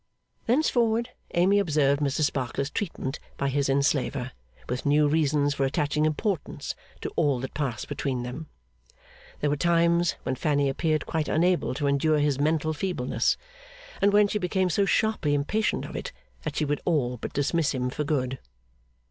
Thenceforward, Amy observed Mr Sparkler's treatment by his enslaver, with new reasons for attaching importance to all that passed between them. There were times when Fanny appeared quite unable to endure his mental feebleness, and when she became so sharply impatient of it that she would all but dismiss him for good.